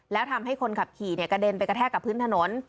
แล้วทำให้คนขับขี่กระเด็นไปกระแทกกับพื้นถนน